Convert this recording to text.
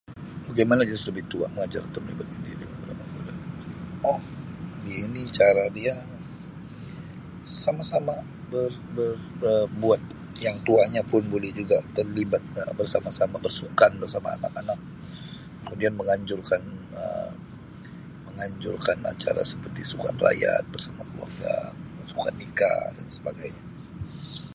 Bagaimana [unintelligible] lebih tua mengajar untuk melibatkan diri. [unintelligible] Um ini cara dia sama-sama ber-ber[Um] buat, yang tuanya pun boleh juga terlibat Um bersama-sama bersukan bersama anak-anak kemudian menganjurkan Um menganjurkan acara seperti sukan rakyat bersama keluarga bersukaneka dan sebagainya.